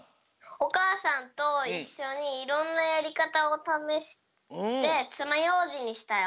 おかあさんといっしょにいろんなやりかたをためしてつまようじにしたよ。